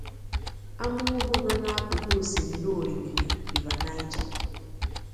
Ama ugwu no na akuku Osimiri Orimiri ("River Niger").